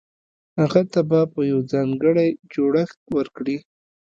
هغه ته به يو ځانګړی جوړښت ورکړي.